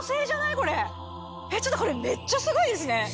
ちょっとこれめっちゃすごいですね！